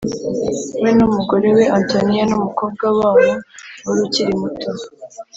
We n umugore we Antonia n umukobwa wabo wari ukiri muto